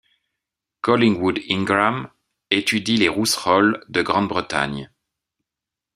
Collingwood Ingram étudie les rousserolles de Grande-Bretagne.